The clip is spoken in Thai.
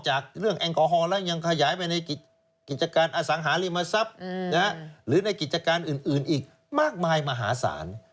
หรือในกิจการอื่นอีกมากมายมหาศาล